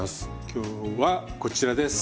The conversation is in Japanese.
今日はこちらです。